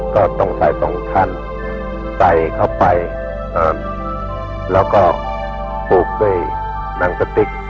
ก็ต้องใส่ตรงท่านใส่เข้าไปอ่าแล้วก็ปลูกด้วยนางสติก